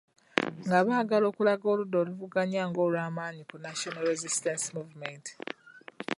Nga baagala okulaga oludda oluvuganya ng'olw’amaanyi ku National Resistance Movement.